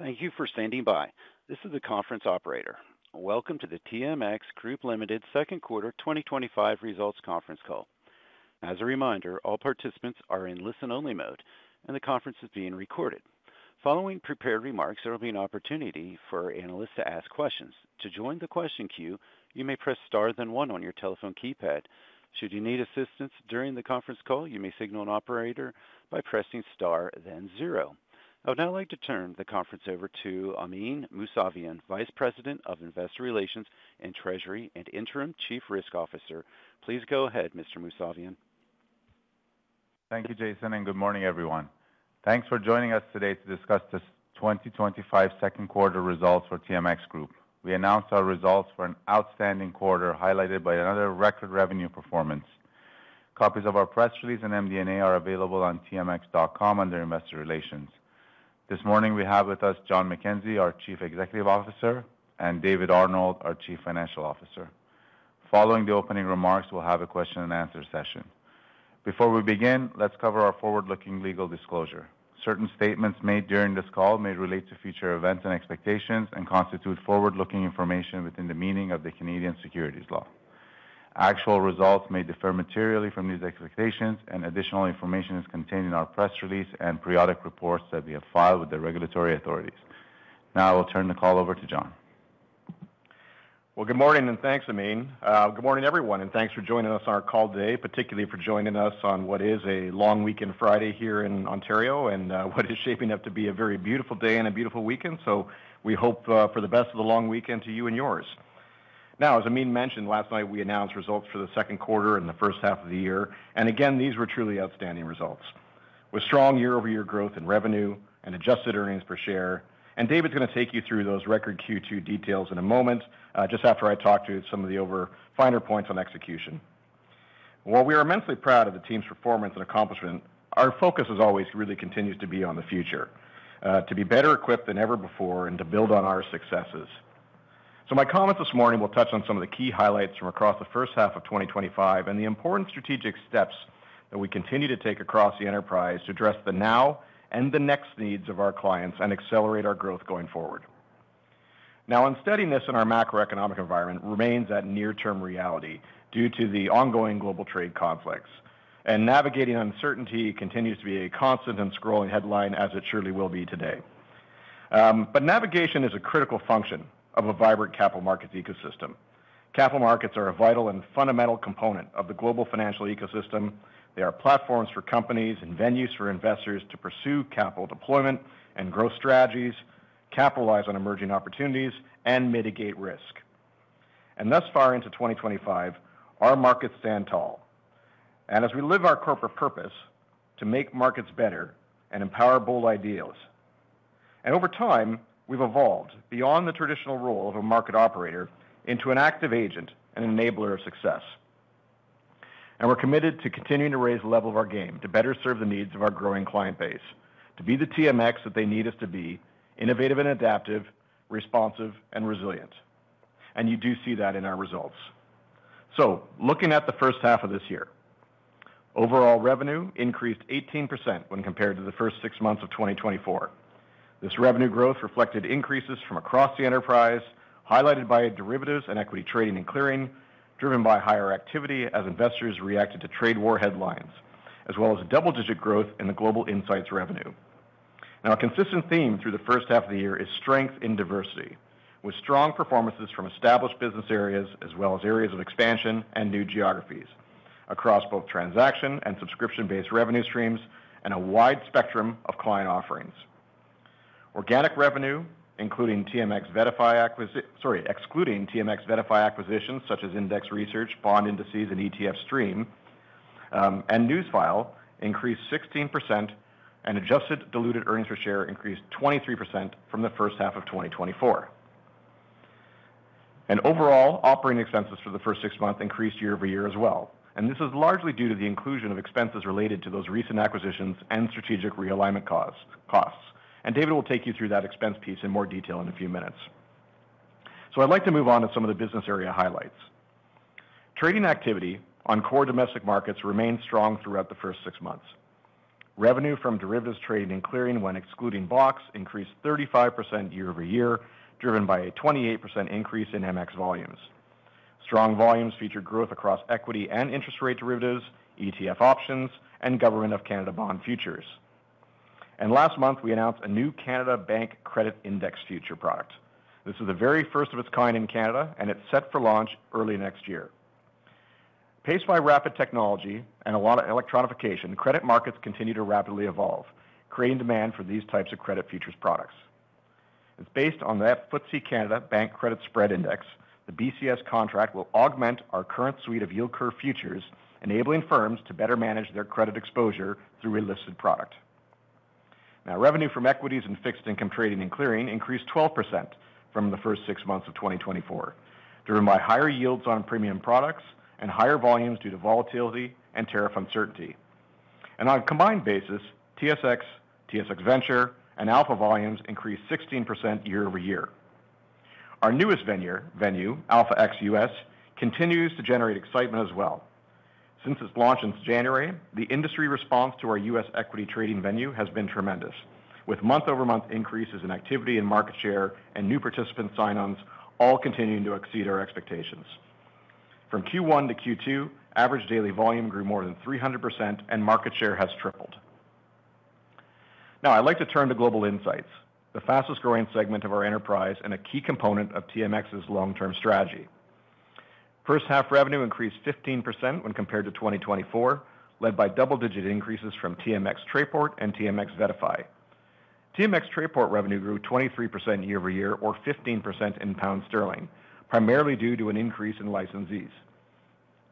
Thank you for standing by. This is the conference operator. Welcome to the TMX Group Limited Second Quarter 2025 Results Conference Call. As a reminder, all participants are in listen-only mode and the conference is being recorded. Following prepared remarks, there will be an opportunity for analysts to ask questions. To join the question queue, you may press star then one on your telephone keypad. Should you need assistance during the conference call, you may signal an operator by pressing star then zero. I would now like to turn the conference over to Amin Mousavian, Vice President of Investor Relations and Treasury and Interim Chief Risk Officer. Please go ahead, Mr. Mousavian. Thank you, Jason, and good morning, everyone. Thanks for joining us today to discuss the 2025 second quarter results for TMX Group. We announced our results for an outstanding quarter, highlighted by another record revenue performance. Copies of our press release and MD&A are available on tmx.com under Investor Relations. This morning we have with us John McKenzie, our Chief Executive Officer, and David Arnold, our Chief Financial Officer. Following the opening remarks, we'll have a question-and-answer session. Before we begin, let's cover our forward-looking legal disclosure. Certain statements made during this call may relate to future events and expectations and constitute forward-looking information within the meaning of the Canadian securities law. Actual results may differ materially from these expectations, and additional information is contained in our press release and periodic reports that we have filed with the regulatory authorities. Now I will turn the call over to John. Good morning and thanks, Amin. Good morning everyone and thanks for joining us on our call today, particularly for joining us on what is a long weekend Friday here in Ontario and what is shaping up to be a very beautiful day and a beautiful weekend. We hope for the best of the long weekend to you and yours. As Amin mentioned last night, we announced results for the second quarter and the first half of the year and again these were truly outstanding results with strong year-over-year growth in revenue and adjusted earnings per share. David's going to take you through those record Q2 details in a moment just after I talk to you about some of the finer points on execution. While we are immensely proud of the team's performance and accomplishment, our focus as always really continues to be on the future, to be better equipped than ever before and to build on our successes. My comments this morning will touch on some of the key highlights from across the first half of 2025 and the important strategic steps that we continue to take across the enterprise to address the now and the next needs of our clients and accelerate our growth going forward. Unsteadiness in our macroeconomic environment remains that near-term reality due to the ongoing global trade conflicts and navigating uncertainty continues to be a constant and scrolling headline, as it surely will be today. Navigation is a critical function of a vibrant capital markets ecosystem. Capital markets are a vital and fundamental component of the global financial ecosystem. They are platforms for companies and venues for investors to pursue capital deployment and growth strategies, capitalize on emerging opportunities and mitigate risk. Thus far into 2025, our markets stand tall as we live our corporate purpose to make markets better and empower bold ideals. Over time we've evolved beyond the traditional role of a market operator into an active agent and enabler of success. We're committed to continuing to raise the level of our game to better serve the needs of our growing client base to be the TMX that they need us to be, innovative and adaptive, responsive and resilient. You do see that in our results. Looking at the first half of this year, overall revenue increased 18% when compared to the first six months of 2024. This revenue growth reflected increases from across the enterprise, highlighted by derivatives and equity trading and clearing, driven by higher activity as investors reacted to trade war headlines as well as double-digit growth in the Global Insights revenue. A consistent theme through the first half of the year is strength in diversity, with strong performances from established business areas as well as areas of expansion and new geographies across both transaction- and subscription-based revenue streams and a wide spectrum of client offerings. Organic revenue, excluding TMX VettaFi acquisitions such as index research, bond indices, ETF Stream, and Newsfile, increased 16%, and adjusted diluted earnings per share increased 23% from the first half of 2024. Overall operating expenses for the first six months increased year-over-year as well. This is largely due to the inclusion of expenses related to those recent acquisitions and strategic realignment costs, and David will take you through that expense piece in more detail in a few minutes. I'd like to move on to some of the business area highlights. Trading activity on core domestic markets remained strong throughout the first six months. Revenue from derivatives trading and clearing, when excluding blocks, increased 35% year-over-year, driven by a 28% increase in MX volumes. Strong volumes feature growth across equity and interest rate derivatives, ETF options, and Government of Canada bond futures. Last month we announced a new Canada Bank Credit Index future product. This is the very first of its kind in Canada, and it's set for launch early next year. Paced by rapid technology and a lot of electronification, credit markets continue to rapidly evolve, creating demand for these types of credit futures products. It's based on that FTSE Canada Bank Credit Spread Index. The BCS contract will augment our current suite of yield curve futures, enabling firms to better manage their credit exposure through a listed product. Revenue from equities and fixed income trading and clearing increased 12% from the first six months of 2024, driven by higher yields on premium products and higher volumes due to volatility and tariff uncertainty. On a combined basis, TSX, TSX Venture, and Alpha volumes increased 16% year-over-year. Our newest venue, Alpha XUS, continues to generate excitement as well. Since its launch in January, the industry response to our U.S. equity trading venue has been tremendous, with month-over-month increases in activity and market share, and new participant sign-ons all continuing to exceed our expectations. From Q1 to Q2, average daily volume grew more than 300% and market share has tripled. Now I'd like to turn to Global Insights, the fastest growing segment of our enterprise and a key component of TMX Group Limited's long-term strategy. First half revenue increased 15% when compared to 2023, led by double-digit increases from TMX Trayport and TMX VettaFi. TMX Trayport revenue grew 23% year-over-year, or 15% in pound sterling, primarily due to an increase in licensees.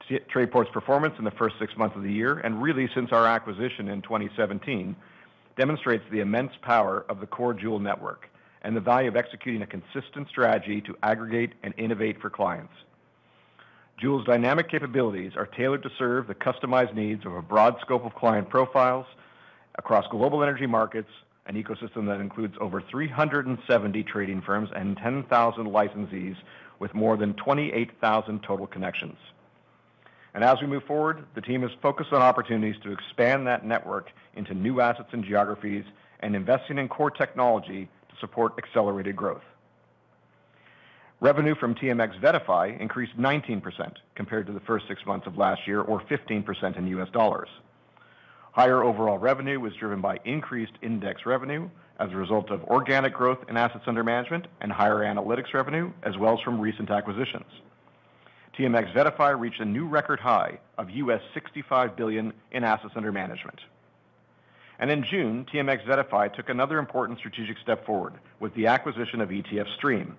TMX Trayport's performance in the first six months of the year, and really since our acquisition in 2017, demonstrates the immense power of the core Joule network and the value of executing a consistent strategy to aggregate and innovate for clients. Joule's dynamic capabilities are tailored to serve the customized needs of a broad scope of client profiles across global energy markets, an ecosystem that includes over 370 trading firms and 10,000 licensees with more than 28,000 total connections. As we move forward, the team is focused on opportunities to expand that network into new assets and geographies, and investing in core technology to support accelerated growth. Revenue from TMX VettaFi increased 19% compared to the first six months of last year, or 15% in U.S. dollars. Higher overall revenue was driven by increased index revenue as a result of organic growth in Assets Under Management and higher analytics revenue, as well as from recent acquisitions. TMX VettaFi reached a new record high of $65 billion in Assets Under Management. In June, TMX VettaFi took another important strategic step forward with the acquisition of ETF Stream,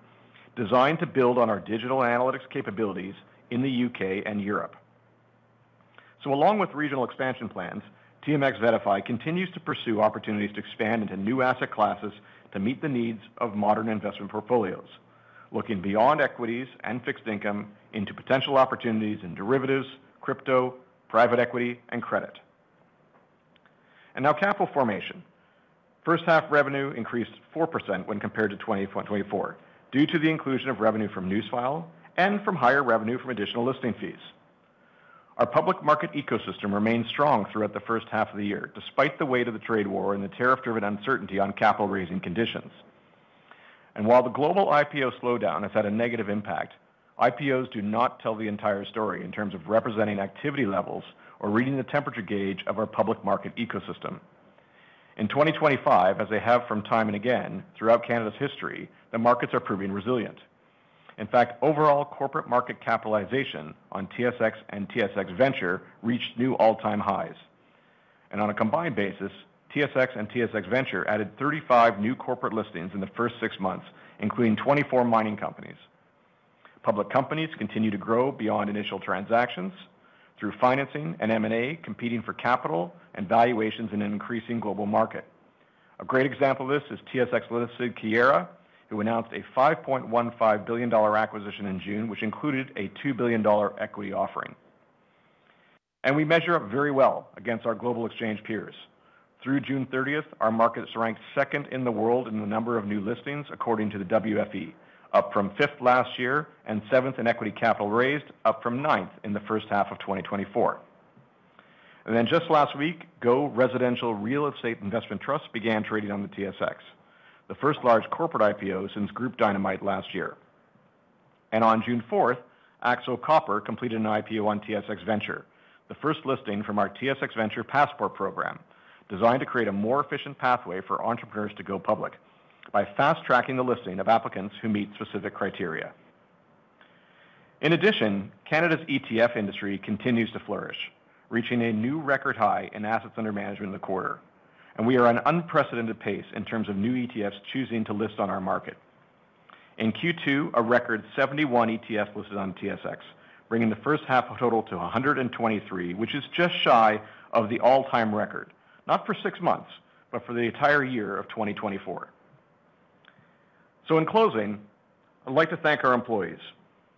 designed to build on our digital analytics capabilities in the U.K. and Europe. Along with regional expansion plans, TMX VettaFi continues to pursue opportunities to expand into new asset classes to meet the needs of modern investment portfolios, looking beyond equities and fixed income into potential opportunities in derivatives, crypto, private equity, and credit. Capital formation first half revenue increased 4% when compared to 2024 due to the inclusion of revenue from Newsfile and from higher revenue from additional listing fees. Our public market ecosystem remains strong throughout the first half of the year despite the weight of the trade war and the tariff-driven uncertainty on capital raising conditions. While the global IPO slowdown has had a negative impact, IPOs do not tell the entire story in terms of representing activity levels or reading the temperature gauge of our public market ecosystem. In 2025, as they have time and again throughout Canada's history, the markets are proving resilient. In fact, overall corporate market capitalization on TSX and TSX Venture reached new all-time highs, and on a combined basis TSX and TSX Venture added 35 new corporate listings in the first six months, including 24 mining companies. Public companies continue to grow beyond initial transactions through financing and M&A, competing for capital and valuations in an increasing global market. A great example of this is TSX-listed Keyera, who announced a 5.15 billion dollar acquisition in June, which included a 2 billion dollar equity offering. We measure up very well against our global exchange peers. Through June 30, our markets ranked second in the world in the number of new listings according to the WFE, up from fifth last year, and seventh in equity capital raised, up from ninth in the first half of 2024. Just last week, GO Residential Real Estate Investment Trust began trading on the TSX, the first large corporate IPO since Groupe Dynamite last year. On June 4, Axo Copper completed an IPO on TSX Venture, the first listing from our TSX Venture Passport program designed to create a more efficient pathway for entrepreneurs to go public by fast-tracking the listing of applicants who meet specific criteria. In addition, Canada's ETF industry continues to flourish, reaching a new record high in Assets Under Management in the quarter. We are at an unprecedented pace in terms of new ETFs choosing to list on our market. In Q2, a record 71 ETFs listed on TSX, bringing the first half total to 123, which is just shy of the all-time record not for six months but for the entire year of 2024. In closing, I'd like to thank our employees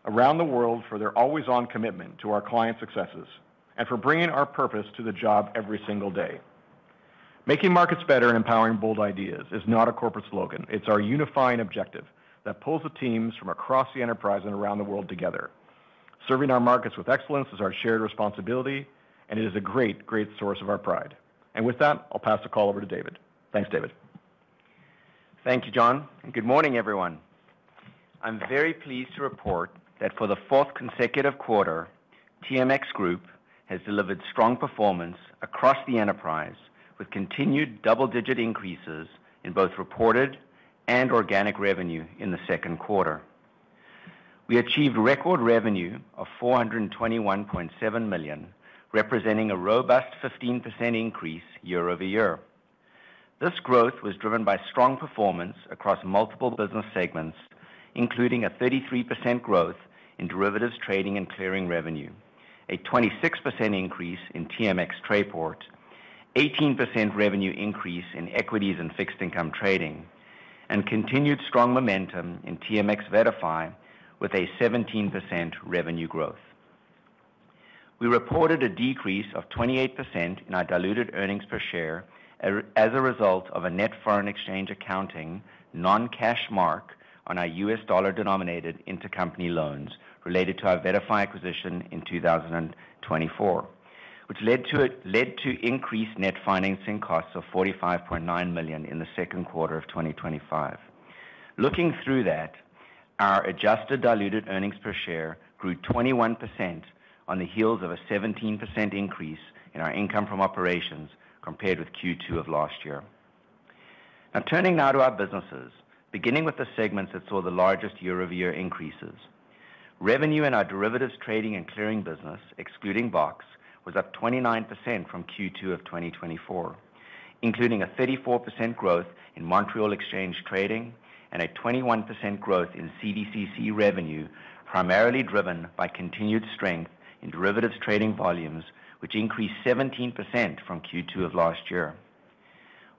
around the world for their always-on commitment to our client successes and for bringing our purpose to the job every single day. Making markets better and empowering bold ideas is not a corporate slogan, it's our unifying objective that pulls the teams from across the enterprise and around the world together. Serving our markets with excellence is our shared responsibility, and it is a great, great source of our pride. With that, I'll pass the call over to David. Thank you, David. Thank you, John, and good morning everyone. I'm very pleased to report that for the fourth consecutive quarter TMX Group has delivered strong performance across the enterprise with continued double-digit increases in both reported and organic revenue. In the second quarter we achieved record revenue of 421.7 million, representing a robust 15% increase year-over-year. This growth was driven by strong performance across multiple business segments including a 33% growth in derivatives trading and clearing revenue, a 26% increase in TMX Trayport, 18% revenue increase in equities and fixed income trading, and continued strong momentum in TMX VettaFi with a 17% revenue growth. We reported a decrease of 28% in our diluted earnings per share as a result of a net foreign exchange accounting non-cash mark on our U.S. dollar denominated intercompany loans related to our TMX VettaFi acquisition in 2024, which led to increased net financing costs of 45.9 million in the second quarter of 2025. Looking through that, our adjusted diluted earnings per share grew 21% on the heels of a 17% increase in our income from operations compared with Q2 of last year. Turning now to our businesses, beginning with the segments that saw the largest year-over-year increases. Revenue in our derivatives trading and clearing business excluding BOX was up 29% from Q2 of 2024, including a 34% growth in Montreal Exchange trading and a 21% growth in CDCC revenue, primarily driven by continued strength in derivatives trading volumes which increased 17% from Q2 of last year.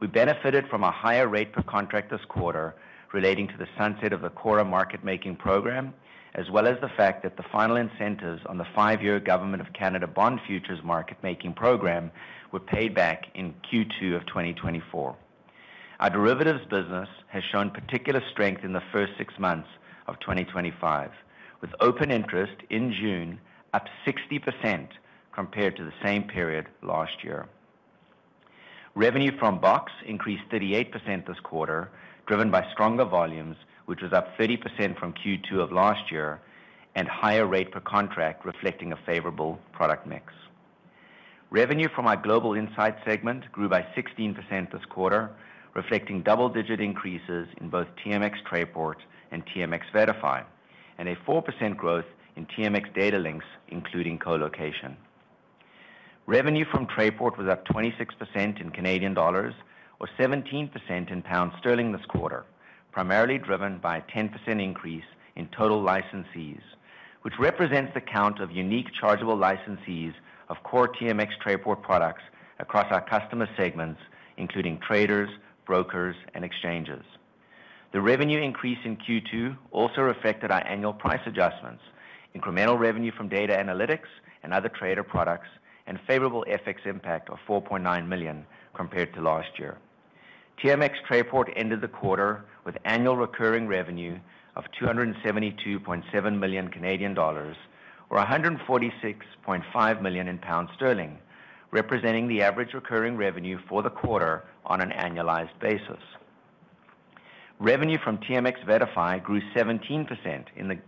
We benefited from a higher rate per contract this quarter relating to the sunset of the QUORA market making program as well as the fact that the final incentives on the Five-Year Government of Canada Bond Futures market-making program were paid back in Q2 of 2024. Our derivatives business has shown particular strength in the first six months of 2025 with open interest in June up 60% compared to the same period last year. Revenue from BOX increased 38% this quarter driven by stronger volumes, which was up 30% from Q2 of last year, and higher rate per contract reflecting a favorable product mix. Revenue from our Global Insights segment grew by 16% this quarter, reflecting double-digit increases in both TMX Trayport and TMX VettaFi and a 4% growth in TMX Datalinx including colocation. Revenue from TMX Trayport was up 26% in Canadian dollars or 17% in pound sterling this quarter, primarily driven by a 10% increase in total licensees, which represents the count of unique chargeable licensees of core TMX Trayport products across our customer segments including traders, brokers, and exchanges. The revenue increase in Q2 also reflected our annual price adjustments, incremental revenue from data analytics and other trader products, and favorable FX impact of 4.9 million compared to last year. TMX Trayport ended the quarter with annual recurring revenue of 272.7 million Canadian dollars, or 146.5 million pounds, representing the average recurring revenue for the quarter on an annualized basis. Revenue from TMX VettaFi grew 17%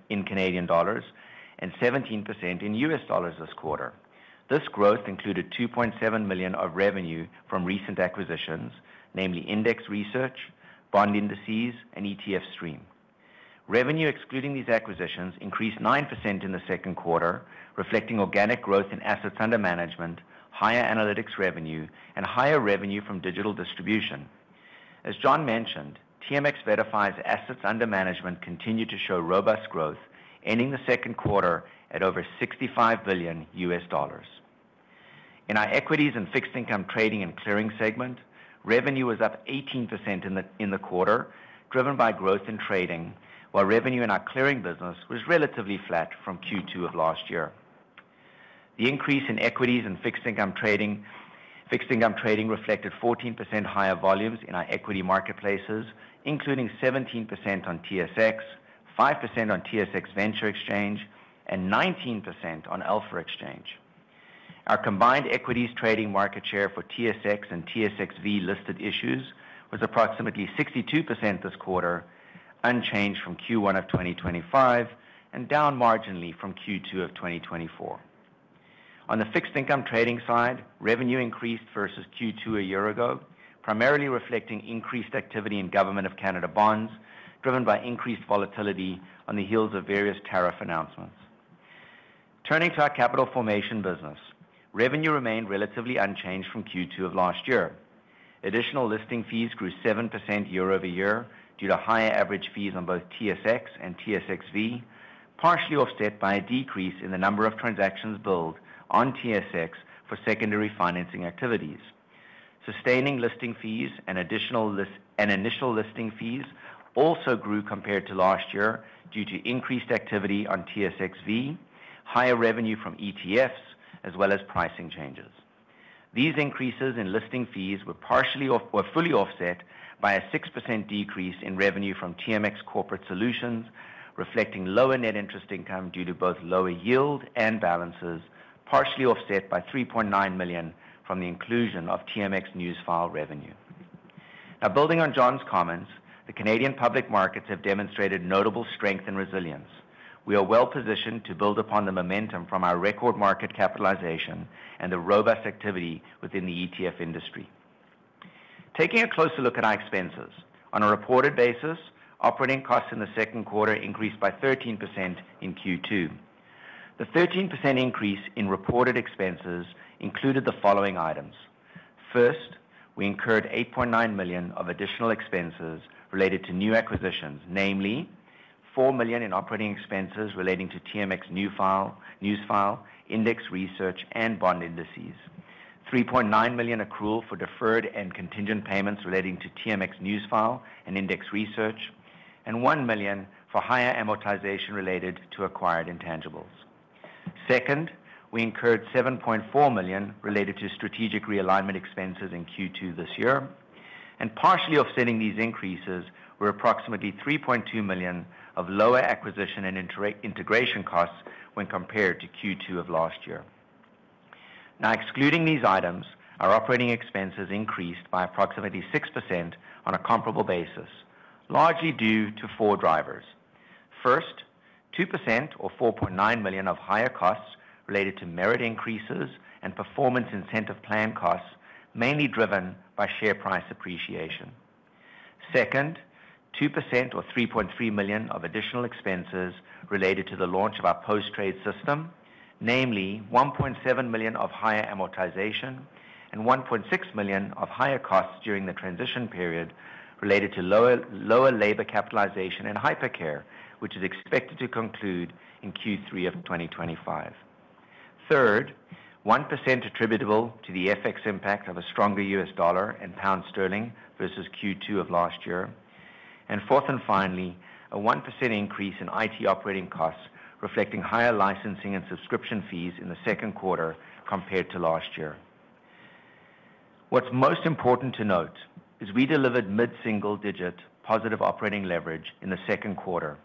in Canadian dollars and 17% in U.S. dollars this quarter. This growth included 2.7 million of revenue from recent acquisitions, namely Index Research, Bond Indices, and ETF Stream. Revenue excluding these acquisitions increased 9% in the second quarter, reflecting organic growth in assets under management, higher analytics revenue, and higher revenue from digital distribution. As John mentioned, TMX VettaFi's assets under management continue to show robust growth, ending the second quarter at over $65 billion. In our Equities and Fixed Income Trading and Clearing segment, revenue was up 18% in the quarter driven by growth in trading. While revenue in our clearing business was relatively flat from Q2 of last year, the increase in equities and fixed income trading reflected 14% higher volumes in our equity marketplaces, including 17% on TSX, 5% on TSX Venture Exchange, and 19% on Alpha Exchange. Our combined equities trading market share for TSX and TSXV listed issues was approximately 62% this quarter, unchanged from Q1 of 2025 and down marginally from Q2 of 2024. On the Fixed Income trading side, revenue increased versus Q2 a year ago, primarily reflecting increased activity in Government of Canada bonds driven by increased volatility on the heels of various tariff announcements. Turning to our capital formation business, revenue remained relatively unchanged from Q2 of last year. Additional listing fees grew 7% year-over-year due to higher average fees on both TSX and TSXV, partially offset by a decrease in the number of transactions billed on TSX for secondary financing activities. Sustaining Listing Fees and Initial Listing Fees also grew compared to last year due to increased activity on TSXV, higher revenue from ETFs as well as pricing changes. These increases in listing fees were fully offset by a 6% decrease in revenue from TMX Corporate Solutions reflecting lower net interest income due to both lower yield and balances, partially offset by 3.9 million from the inclusion of TMX Newsfile revenue. Now, building on John's comments, the Canadian public markets have demonstrated notable strength and resilience. We are well positioned to build upon the momentum from our record Market Capitalization and the robust activity within the ETF industry. Taking a closer look at our expenses on a reported basis, operating costs in the second quarter increased by 13% in Q2. The 13% increase in reported expenses included the following items. First, we incurred 8.9 million of additional expenses related to new acquisitions, namely 4 million in operating expenses relating to TMX Newsfile, Index Research and Bond Indices, 3.9 million accrual for deferred and contingent payments relating to TMX Newsfile and Index Research, and 1 million for higher amortization related to acquired intangibles. Second, we incurred 7.4 million related to Strategic Realignment Expenses in Q2 this year and partially offsetting these increases were approimately 3.2 million of lower acquisition and integration costs when compared to Q2 of last year. Now excluding these items, our operating expenses increased by approximately 6% on a comparable basis largely due to four drivers. First, 2% or 4.9 million of higher costs related to merit increases and performance incentive plan costs mainly driven by share price appreciation. Second, 2% or 3.3 million of additional expenses related to the launch of our Post-Trade Modernization system, namely 1.7 million of higher amortization and 1.6 million of higher costs during the transition period related to lower labor capitalization and "hypercare", which is expected to conclude in Q3 of 2025. Third, 1% attributable to the FX impact of a stronger U.S. dollar and pound sterling versus Q2 of last year and fourth and finally a 1% increase in IT operating costs reflecting higher licensing and subscription fees in the second quarter compared to last year. What's most important to note is we delivered mid single digit positive operating leverage in the second quarter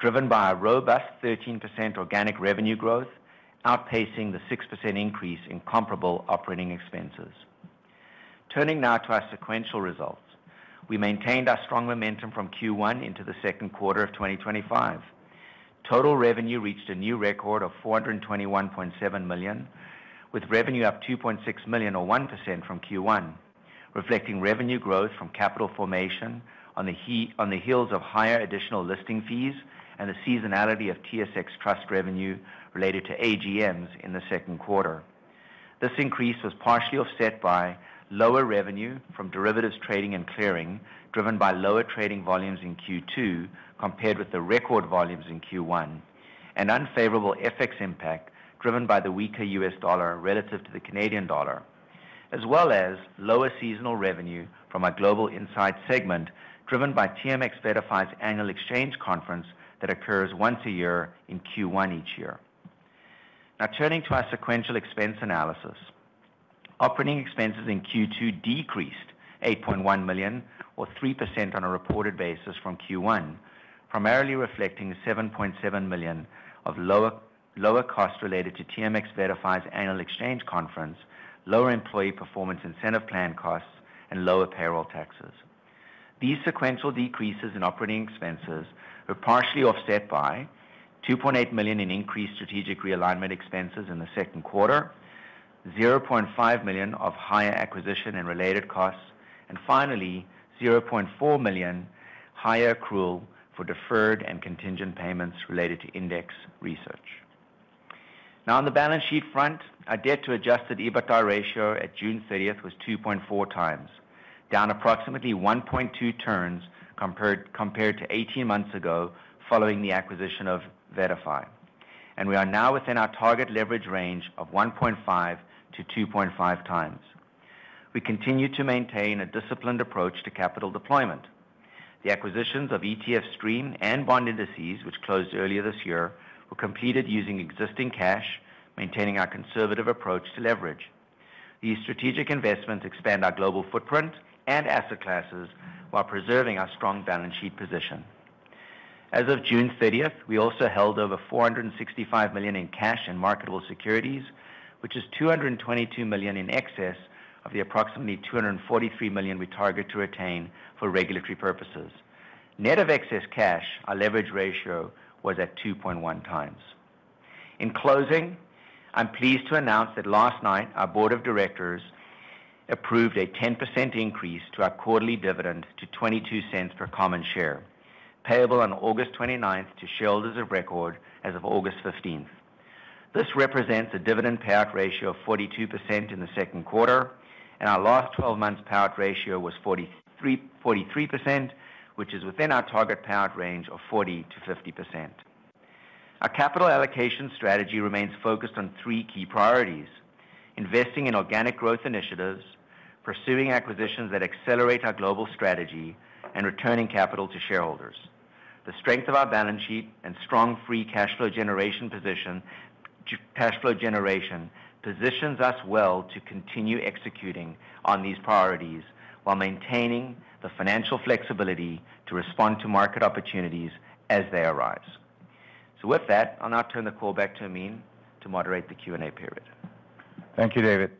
driven by a robust 13% organic revenue growth outpacing the 6% increase in comparable operating expenses. Turning now to our sequential results, we maintained our strong momentum from Q1 into the second quarter of 2025. Total revenue reached a new record of 421.7 million with revenue up 2.6 million or 1% from Q1, reflecting revenue growth from capital formation on the heels of higher additional listing fees and the seasonality of TSX Trust revenue related to AGMs in the second quarter. This increase was partially offset by lower revenue from Derivatives Trading and Clearing driven by lower trading volumes in Q2 compared with the record volumes in Q1 and unfavorable FX impact driven by the weaker U.S. dollar relative to the Canadian dollar, as well as lower seasonal revenue from our Global Insights segment driven by TMX VettaFi's annual exchange conference that occurs once a year in Q1 each year. Now turning to our sequential expense analysis, operating expenses in Q2 decreased 8.1 million or 3% on a reported basis from Q1, primarily reflecting 7.7 million of lower costs related to TMX VettaFi's annual exchange conference, lower employee Performance Incentive Plan costs, and lower payroll taxes. These sequential decreases in operating expenses were partially offset by 2.8 million in increased Strategic Realignment Expenses in the second quarter, 500,000 of higher acquisition and related costs, and finally 400,00 million higher accrual for deferred and contingent payments related to index research. Now on the balance sheet front, our debt-to-adjusted EBITDA ratio at June 30 was 2.4 times, down approximately 1.2 turns compared to 18 months ago following the acquisition of TMX VettaFi, and we are now within our target leverage range of 1.5 to 2.5 times. We continue to maintain a disciplined approach to capital deployment. The acquisitions of ETF Stream and Bond Indices, which closed earlier this year, were completed using existing cash, maintaining our conservative approach to leverage. These strategic investments expand our global footprint and asset classes while preserving our strong balance sheet position. As of June 30, we also held over 465 million in cash and marketable securities, which is 222 million in excess of the approximately 243 million we target to retain for regulatory purposes. Net of excess cash, our leverage ratio was at 2.1 times. In closing, I'm pleased to announce that last night our Board of Directors approved a 10% increase to our quarterly dividend to 0.22 per common share payable on August 29 to shareholders of record as of August 15. This represents a dividend payout ratio of 42% in the second quarter and our last 12 months payout ratio was 43.3%, which is within our target payout range of 40% to 50%. Our capital allocation strategy remains focused on three key investing in organic growth initiatives, pursuing acquisitions that accelerate our global strategy, and Returning capital to shareholders. The strength of our balance sheet and strong Free Cash Flow generation positions us well to continue executing on these priorities while maintaining the financial flexibility to respond to market opportunities as they arise. I'll now turn the call back to Amin to moderate the Q&A period. Thank you, David.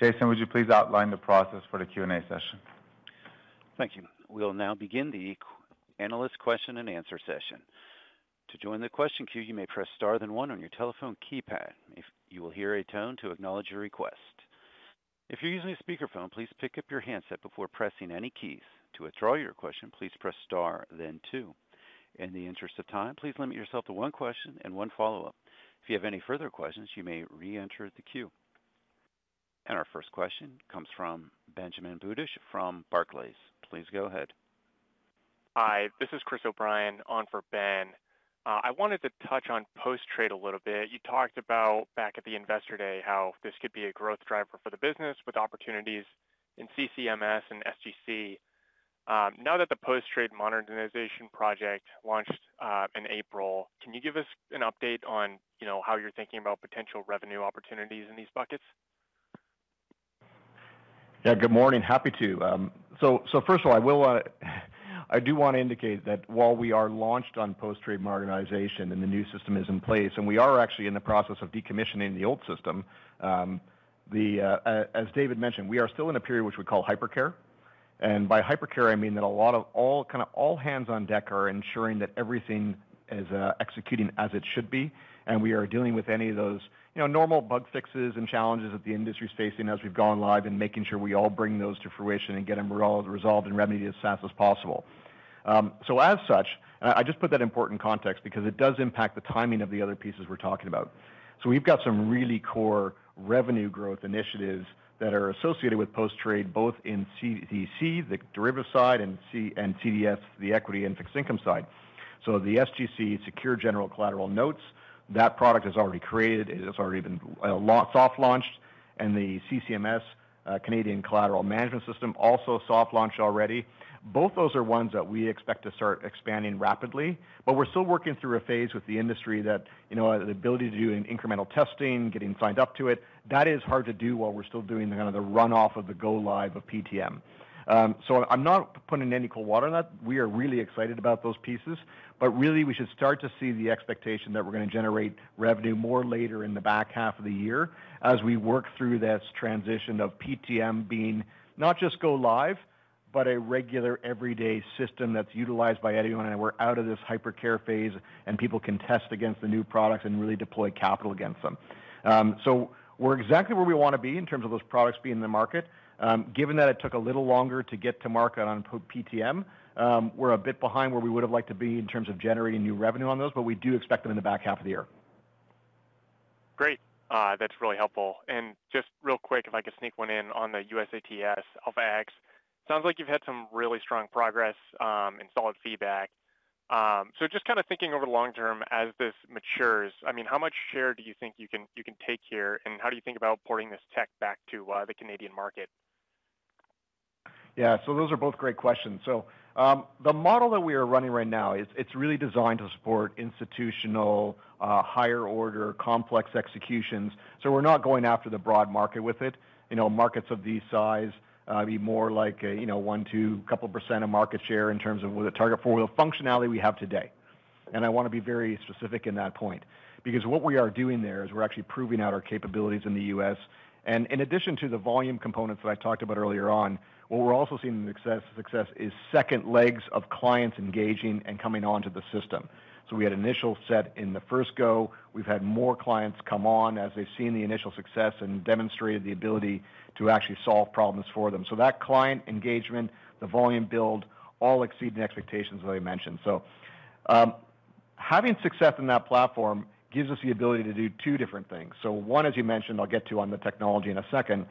Jason, would you please outline the process for the Q&A session? Thank you. We'll now begin the analyst question-and-answer session. To join the question queue, you may press star then one on your telephone keypad. You will hear a tone to acknowledge your request. If you're using a speakerphone, please pick up your handset before pressing any keys. To withdraw your question, please press star then two. In the interest of time, please limit yourself to one question and one follow up. If you have any further questions, you may re-enter the queue. Our first question comes from Benjamin Budish from Barclays. Please go ahead. Hi, this is Chris O'Brien on for Ben. I wanted to touch on Post-Trade a little bit. You talked about back at the Investor Day how this could be a growth driver for the business with opportunities in CCMs and SGC. Now that the Post-Trade Modernization project launched in April, can you give us an update on how you're thinking about potential revenue opportunities in these buckets? Good morning. Happy to. First of all, I do want to indicate that while we are launched on Post-Trade Modernization and the new system is in place and we are actually in the process of decommissioning the old system, as David mentioned, we are still in a period which we call "hypercare". By "hypercare" I mean that all hands on deck are ensuring that everything is executing as it should be and we are dealing with any of those normal bug fixes and challenges that the industry is facing as we've gone live, making sure we bring those to fruition and get them resolved and remedied as fast as possible. I just put that important context because it does impact the timing of the other pieces we're talking about. We've got some really core revenue growth initiatives that are associated with Post-Trade, both in CDCC, the derivatives side, and CDS, the equity and fixed income side. The SGC Secure General Collateral Notes product has already been created, it has already been soft launched, and the CCMS Canadian Collateral Management System also soft launched already. Both those are ones that we expect to start expanding rapidly, but we're still working through a phase with the industry where the ability to do incremental testing, getting signed up to it, is hard to do while we're still doing the runoff of the go-live of people. I'm not putting any cold water on that. We are really excited about those pieces, but we should start to see the expectation that we're going to generate revenue more later in the back half of the year as we work through this transition of PTM being not just go-live, but a regular everyday system that's utilized by anyone and we're out of this "hypercare" phase and people can test against the new products and really deploy capital against them. We're exactly where we want to be in terms of those products being in the market. Given that it took a little longer to get to market on PTM, we're a bit behind where we would have liked to be in terms of generating new revenue on those, but we do expect them in the back half of the year. Great, that's really helpful. Just real quick, if I could sneak one in on the Alpha Exchange, sounds like you've had some really strong progress and solid feedback. Just kind of thinking over the long term as this matures, how much share do you think you can take here, and how do you think about porting this tech back to the Canadian market? Yeah, those are both great questions. The model that we are running right now is really designed to support institutional higher-order complex executions. We're not going after the broad market with it. Markets of this size be more like 1% -2% of market share in terms of the target for the functionality we have today. I want to be very specific in that point because what we are doing there is we're actually proving out our capabilities in the U.S. In addition to the volume components that I talked about earlier on, what we're also seeing success in is second legs of clients engaging and coming onto the system. We had an initial set in the first go. We've had more clients come on as they've seen the initial success and demonstrated the ability to actually solve problems for them. That client engagement and the volume build all exceed the expectations that I mentioned. Having success in that platform gives us the ability to do two different things. As you mentioned, I'll get to the technology in a second.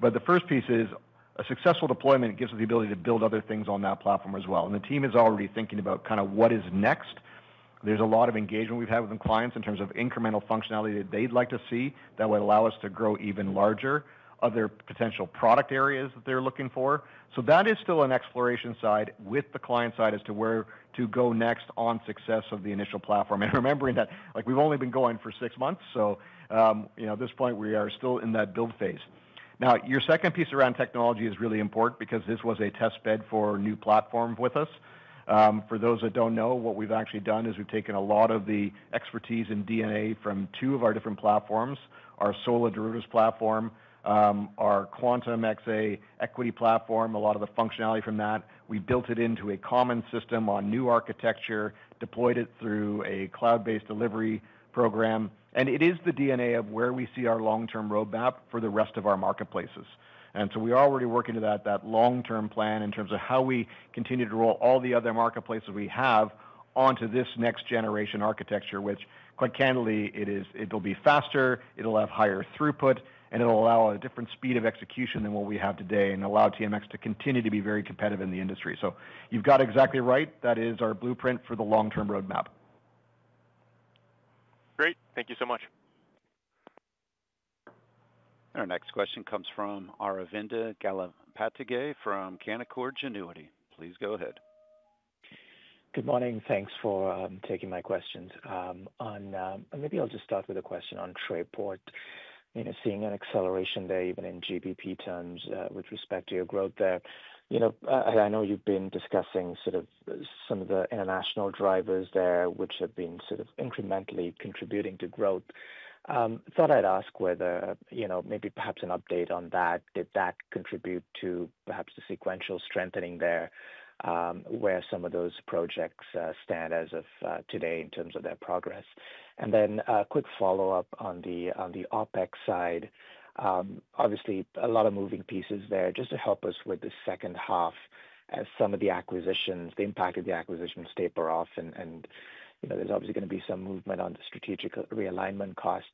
The first piece is a successful deployment gives us the ability to build other things on that platform as well. The team is already thinking about what is next. There's a lot of engagement we've had with clients in terms of incremental functionality that they'd like to see that would allow us to grow even larger, other potential product areas that they're looking for. That is still an exploration side with the client side as to where to go next on success of the initial platform. Remembering that we've only been going for six months, at this point we are still in that build phase. Your second piece around technology is really important because this was a test bed for a new platform with us. For those that don't know, what we've actually done is we've taken a lot of the expertise and DNA from two of our different platforms, our Solar Derivatives platform and our Quantum XA Equity platform, a lot of the functionality from that. We built it into a common system on new architecture, deployed it through a cloud-based delivery program, and it is the DNA of where we see our long-term roadmap for the rest of our marketplaces. We are already working to that long-term plan in terms of how we continue to roll all the other marketplaces we have onto this next-generation architecture, which quite candidly, it is. It will be faster, it'll have higher throughput, and it'll allow a different speed of execution than what we have today and allow TMX to continue to be very competitive in the industry. You've got exactly right. That is our blueprint for the long-term roadmap. Great, thank you so much. Our next question comes from Aravinda Galappatthige from Canaccord Genuity. Please go ahead. Good morning. Thanks for taking my questions. Maybe I'll just start with a question on TMX Trayport. Seeing an acceleration, even in GBP terms, with respect to your growth there. I know you've been discussing some of the international drivers there which have been incrementally contributing to growth. Thought I'd ask whether, you know, maybe perhaps an update on that, did that contribute to perhaps the sequential strengthening there, where some of those projects stand as of today in terms of their progress. A quick follow-up on the OpEx side. Obviously a lot of moving pieces there just to help us with the second half as some of the acquisitions, the impact of the acquisitions taper off. There's obviously going to be some movement on the Strategic Realignment Costs.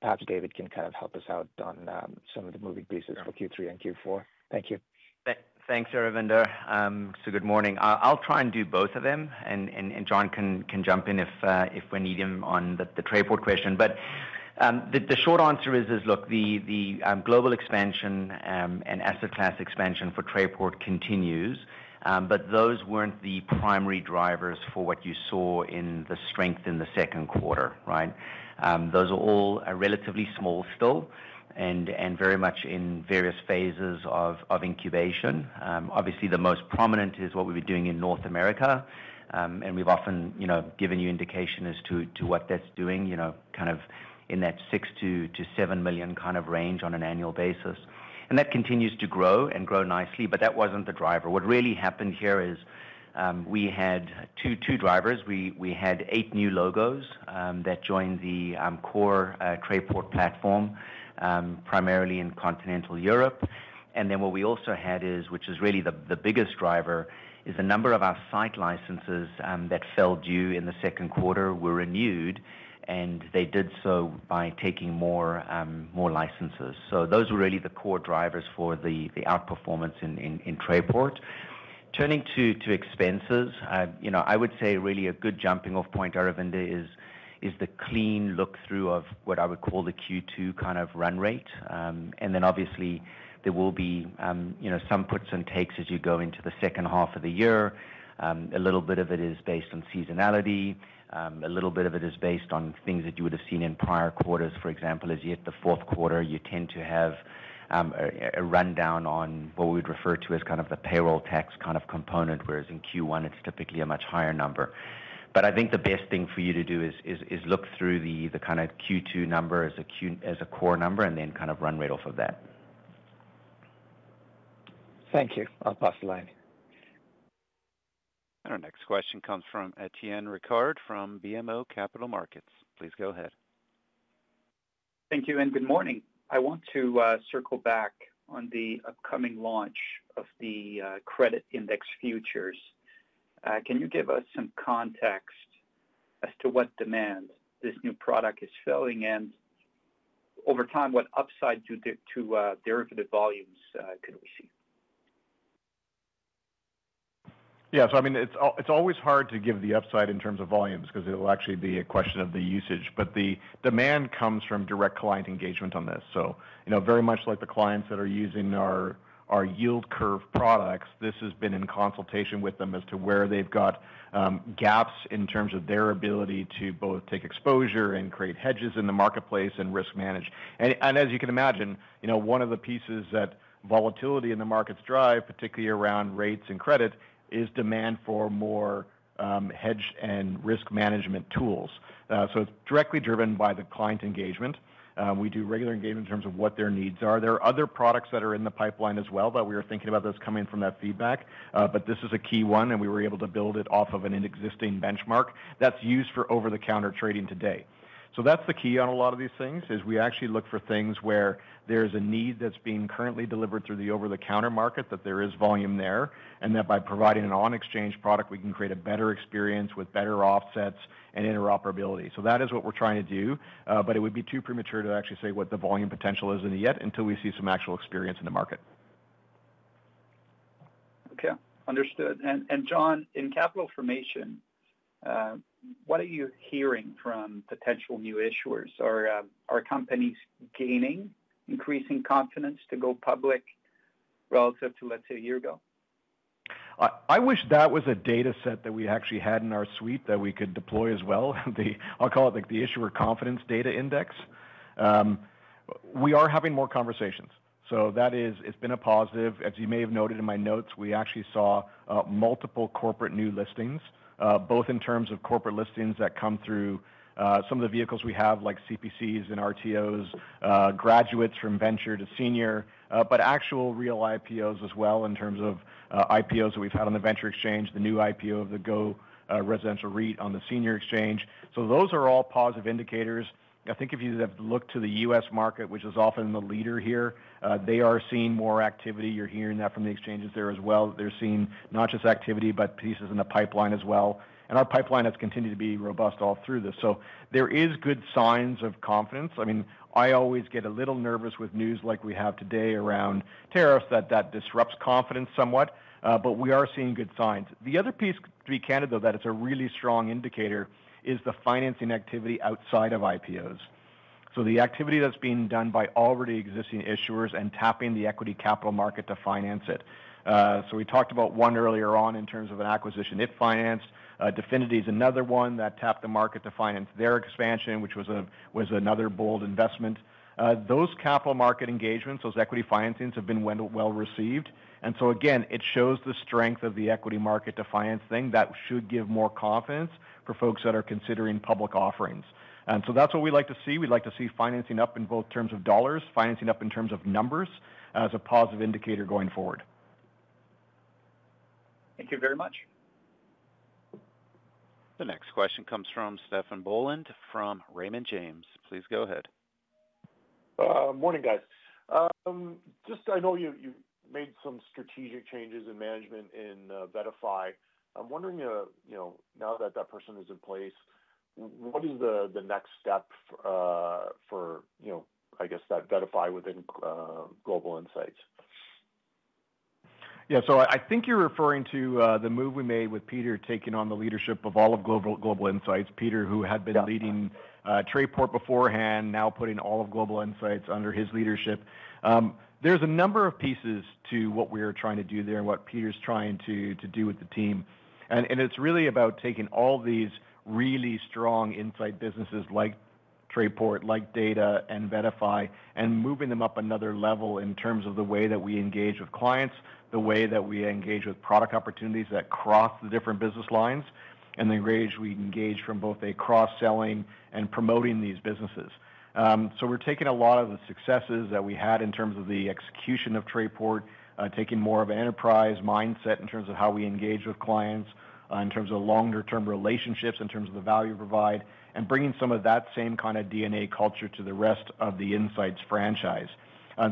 Perhaps David can kind of help us out on some of the moving pieces for Q3 and Q4. Thank you. Thanks. Good morning. I'll try and do both of them and John can jump in if we need him on the TMX Trayport question. The short answer is, look, the global expansion and asset class expansion for TMX Trayport continue. Those weren't the primary drivers for what you saw in the strength in the second quarter. Those are all relatively small still and very much in various phases of incubation. Obviously, the most prominent is what we were doing in North America and we've often given you indication as to what that's doing, kind of in that 6 million-7 million kind of range on an annual basis. That continues to grow and grow nicely. That wasn't the driver. What really happened here is we had two drivers: we had eight new logos that joined the core TMX Trayport platform, primarily in continental Europe. What we also had, which is really the biggest driver, is the number of our site licenses that fell due in the second quarter were renewed and they did so by taking more licenses. Those were really the core drivers for the outperformance in TMX Trayport. Turning to expenses, I would say really a good jumping off point, Aravinda, is the clean look through of what I would call the Q2 kind of run rate. Obviously, there will be some puts and takes as you go into the second half of the year. A little bit of it is based on seasonality, a little bit of it is based on things that you would have seen in prior quarters. For example, as you hit the fourth quarter you tend to have a rundown on what we would refer to as kind of the payroll tax kind of component, whereas in Q1 it's typically a much higher number. I think the best thing for you to do is look through the kind of Q2 number as a core number and then kind of run right off of that. Thank you. I'll pass the line. Our next question comes from Étienne Ricard from BMO Capital Markets. Please go ahead. Thank you, and good morning. I want to circle back on the upcoming launch of the credit index futures. Can you give us some context as to what demand this new product is filling and over time, what upside to derivative volumes can we see? Yes, I mean, it's always hard to give the upside in terms of volumes because it will actually be a question of the usage. The demand comes from direct client engagement on this. Very much like the clients that are using our yield curve products, this has been in consultation with them as to where they've got gaps in terms of their ability to both take exposure and create hedges in the marketplace and risk manage. As you can imagine, one of the pieces that volatility in the markets drives, particularly around rates and credit, is demand for more hedge and risk management tools. It's directly driven by the client engagement. We do regular engagement in terms of what their needs are. There are other products that are in the pipeline as well. We are thinking about those coming from that feedback. This is a key one and we were able to build it off of an existing benchmark that's used for Over-The-Counter trading today. The key on a lot of these things is we actually look for things where there's a need that's being currently delivered through the Over-The-Counter market, that there is volume there and that by providing an on-exchange product, we can create a better experience with better offsets and interoperability. That is what we're trying to do. It would be too premature to actually say what the volume potential is yet until we see some actual experience in the market. Okay, understood. John, in capital formation, what are you hearing from potential new issuers? Are companies gaining increasing confidence to go public relative to, let's say, a year ago? I wish that was a data set that we actually had in our suite that we could deploy as well. I'll call it the Issuer Confidence Data Index. We are having more conversations, so that is, it's been a positive. As you may have noted in my notes, we actually saw multiple corporate new listings, both in terms of corporate listings that come through some of the vehicles we have like CPCs and RTOs, graduates from Venture to Senior, but actual real IPOs as well. In terms of IPOs that we've had on the Venture Exchange, the new IPO of the GO Residential REIT on the Senior Exchange, those are all positive indicators. I think if you look to the U.S. market, which is often the leader here, they are seeing more activity. You're hearing that from the exchanges there as well. They're seeing not just activity but pieces in the pipeline as well. Our pipeline has continued to be robust all through this. There are good signs of confidence. I always get a little nervous with news like we have today around tariffs that disrupts confidence somewhat. We are seeing good signs. The other piece, to be candid though, that is a really strong indicator is the financing activity outside of IPOs. The activity that's being done by already existing issuers and tapping the equity capital market to finance it. We talked about one earlier on in terms of an acquisition it financed. Dfinity is another one that tapped the market to finance their expansion, which was another bold investment. Those capital market engagements, those equity financings have been well received. It shows the strength of the equity market defiance thing that should give more confidence for folks that are considering public offerings. That's what we like to see. We'd like to see financing up in both terms of dollars, financing up in terms of numbers as a positive indicator going forward. Thank you very much. The next question comes from Stefan Boland from Raymond James. Please go ahead. Morning guys. I know you made some strategic changes in management in TMX VettaFi. I'm wondering now that that person is in place, what is the next step for TMX VettaFi within Global Insights. Yeah, I think you're referring to the move we made with Peter taking on the leadership of all of Global Insights. Peter, who had been leading TMX Trayport beforehand, now putting all of Global Insights under his leadership. There are a number of pieces to what we are trying to do there and what Peter's trying to do with the team. It's really about taking all these really strong insight businesses like TMX Trayport, like Data and TMX VettaFi, and moving them up another level in terms of the way that we engage with clients, the way that we engage with product opportunities that cross the different business lines, and the range we engage from, both cross-selling and promoting these businesses. We're taking a lot of the successes that we had in terms of the execution of Trust, taking more of an enterprise mindset in terms of how we engage with clients, in terms of longer term relationships, in terms of the value we provide, and bringing some of that same kind of DNA culture to the rest of the Insights franchise. I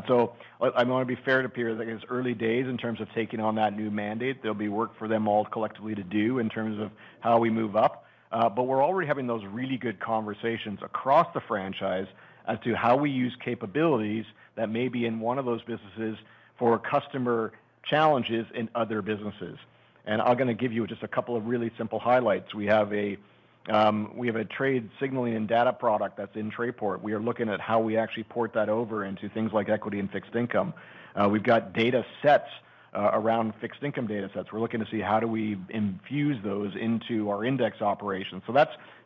want to be fair to Peter that it's early days in terms of taking on that new mandate. There will be work for them all collectively to do in terms of how we move up. We're already having those really good conversations across the franchise as to how we use capabilities that may be in one of those businesses for customer challenges in other businesses. I'm going to give you just a couple of really simple highlights. We have a trade signaling and data product that's in TMX Trayport. We are looking at how we actually port that over into things like equity and fixed income. We've got data sets around fixed income data sets. We're looking to see how do we infuse those into our index audience operations.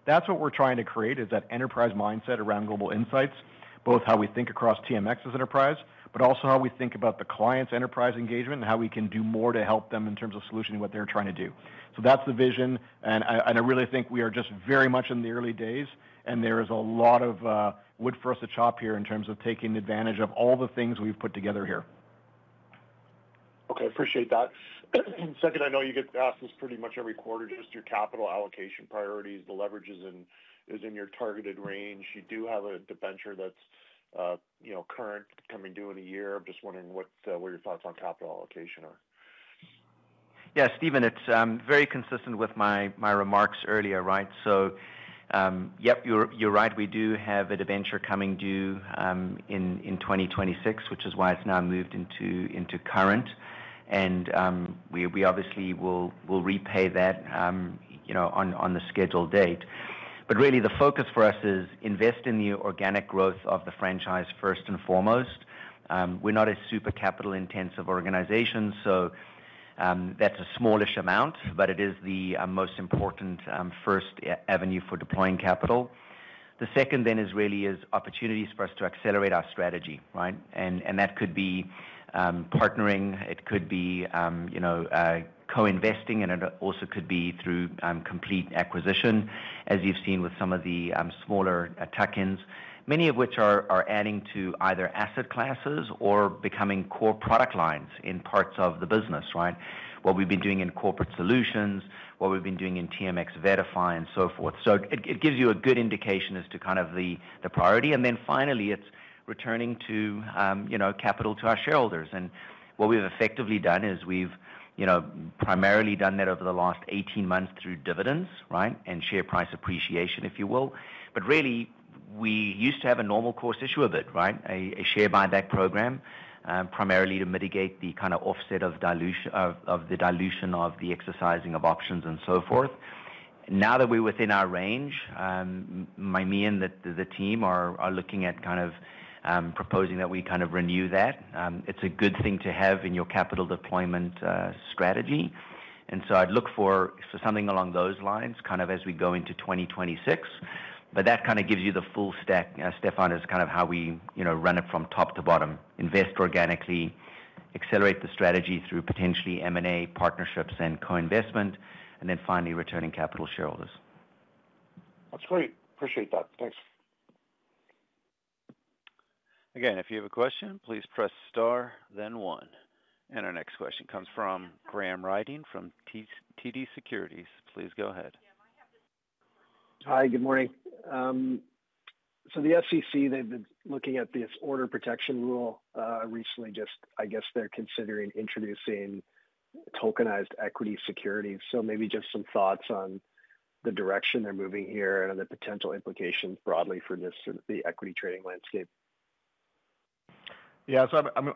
That's what we're trying to create, that enterprise mindset around Global Insights, both how we think across TMX as enterprise, but also how we think about the client's enterprise engagement and how we can do more to help them in terms of solution, what they're trying to do. That's the vision and I really think we are just very much in the early days and there is a lot of wood for us to chop here in terms of taking advantage of all the things we've put together here. Okay, appreciate that. Second, I know you get asked this. Pretty much every quarter, just your capital allocation priorities, the leverage is in your targeted range. You do have a debenture that's current, coming due in a year. I'm just wondering where your thoughts on capital allocation are. Yeah, Stephen, it's very consistent with my remarks earlier. Right. So, yep, you're right. We do have a debenture coming due in 2026, which is why it's now moved into current, and we obviously will repay that on the scheduled date. Really, the focus for us is invest in the organic growth of the franchise first and foremost. We're not a super capital intensive organization, so that's a smallish amount, but it is the most important first avenue for deploying capital. The second then is really opportunities for us to accelerate our strategy. That could be partnering, it could be co-investing, and it also could be through complete acquisition as you've seen with some of the smaller tuck-ins, many of which are adding to either asset classes or becoming core product lines in parts of the business. Right. What we've been doing in corporate solutions, what we've been doing in TMX VettaFi, and so forth. It gives you a good indication as to kind of the priority. Finally, it's returning capital to our shareholders. What we've effectively done is we've primarily done that over the last 18 months through dividends, right, and share price appreciation, if you will. We used to have a normal course issue of it, right, a share buyback program primarily to mitigate the kind of offset of dilution of the exercising of options and so forth. Now that we're within our range, me and the team are looking at kind of proposing that we kind of renew that. It's a good thing to have in your capital deployment strategy. I'd look for something along those lines as we go into 2026. That kind of gives you the full stack, Stephen, is kind of how we run it from top to bottom: invest organically, accelerate the strategy through potentially M&A, partnerships and co-investment, and then finally returning capital to shareholders. That's great. Appreciate that, thanks. If you have a question, please press Star then one. Our next question comes from Graham Ryding from TD Securities. Please go ahead. Hi, good morning. The SEC, they've been looking at this Order Protection Rule recently. I guess they're considering introducing tokenized equity securities. Maybe just some thoughts on the direction they're moving here and the potential implications broadly for this, the equity trading landscape. Yeah,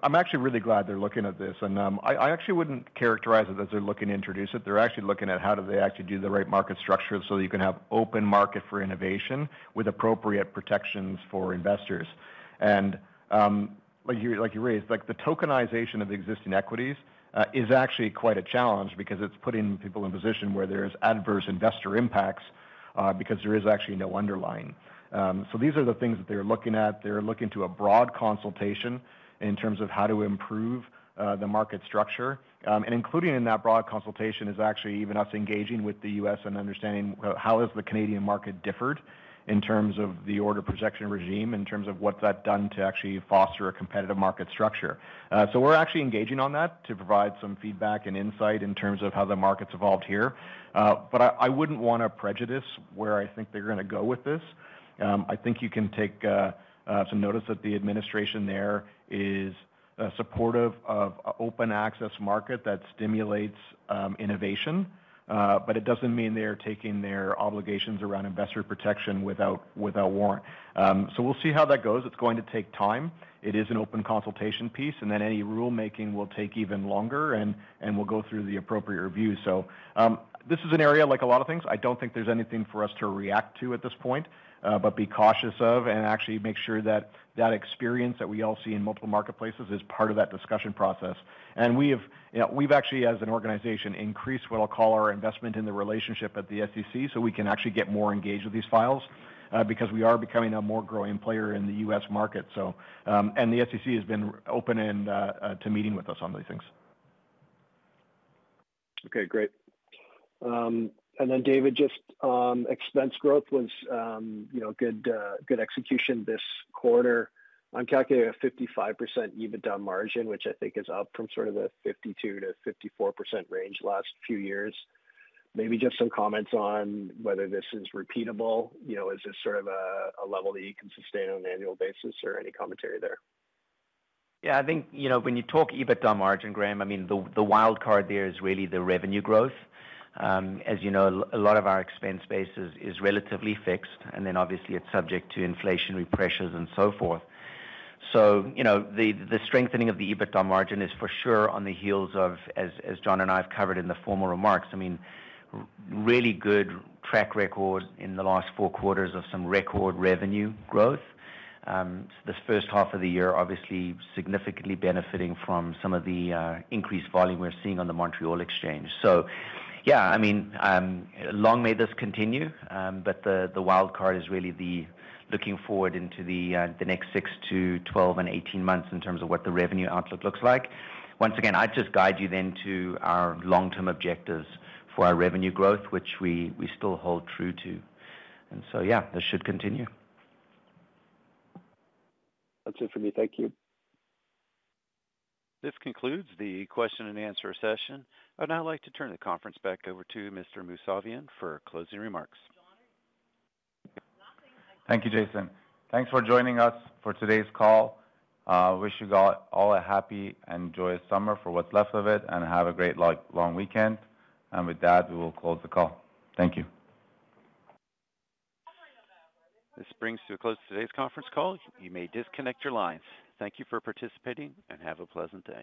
I'm actually really glad they're looking at this and I actually wouldn't characterize it as they're looking to introduce it. They're actually looking at how do they actually do the right market structure so you can have open market for innovation with appropriate protections for investors. Like you raised, the tokenization of existing equities is actually quite a challenge because it's putting people in position where there is adverse investor impacts because there is actually no underlying. These are the things that they're looking at. They're looking to a broad consultation in terms of how to improve the market structure. Included in that broad consultation is actually even us engaging with the U.S. and understanding how the Canadian market differed in terms of the order protection regime, in terms of what that has done to actually foster a competitive market structure. We're actually engaging on that to provide some feedback and insight in terms of how the market's evolved here. I wouldn't want to prejudice where I think they're going to go with this. I think you can take some notice that the administration there is supportive of open access market that stimulates innovation, but it doesn't mean they are taking their obligations around investor protection without warrant. We'll see how that goes. It's going to take time. It is an open consultation piece and any rulemaking will take even longer and will go through the appropriate review. This is an area like a lot of things I don't think there's anything for us to react to at this point, but be cautious of and actually make sure that experience that we all see in multiple marketplaces is part of that discussion process. We've actually as an organization increased what I'll call our investment in the relationship at the SEC so we can actually get more engaged with these files because we are becoming a more growing player in the U.S. market and the SEC has been open to meeting with us on these things. Okay, great. David, just expense growth was good execution this quarter on calculating a 55% EBITDA margin, which I think is up from sort of the 52% to 54% range last few years. Maybe just some comments on whether this is repeatable. Is this sort of a level that you can sustain on an annual basis or any commentary there? Yeah, I think when you talk EBITDA margin, Graham, the wild card there is really the revenue growth. As you know, a lot of our expense base is relatively fixed, and then obviously it's subject to inflationary pressures and so forth. The strengthening of the EBITDA margin is for sure on the heels of, as John and I have covered in the formal remarks, really good track record in the last four quarters of some record revenue growth this first half of the year, obviously significantly benefiting from some of the increased volume we're seeing on the Montreal Exchange. Long may this continue, but the wild card is really looking forward into the next six to 12 and 18 months in terms of what the revenue outlook looks like once again. I'd just guide you then to our long term objectives for our revenue growth, which we still hold true to. This should continue. That's it for me. Thank you. This concludes the question and answer session. I'd now like to turn the conference back over to Mr. Mousavian for closing remarks. Thank you. Jason, thanks for joining us for today's call. Wish you all a happy and joyous summer for what's left of it, and have a great long weekend. With that, we will close the call. Thank you. This brings to a close today's conference call. You may disconnect your lines. Thank you for participating and have a pleasant day.